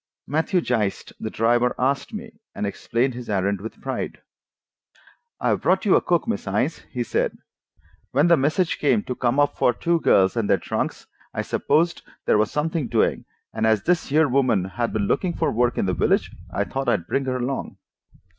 Matthew Geist, the driver, asked for me, and explained his errand with pride. "I've brought you a cook, Miss Innes," he said. "When the message came to come up for two girls and their trunks, I supposed there was something doing, and as this here woman had been looking for work in the village, I thought I'd bring her along."